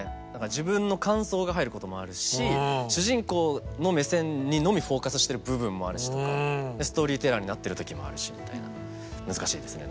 自分の感想が入ることもあるし主人公の目線にのみフォーカスしてる部分もあるしとかストーリーテラーになってる時もあるしみたいな難しいですね。